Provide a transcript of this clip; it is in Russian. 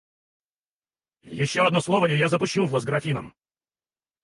Еще одно слово - и я запущу в Вас графином.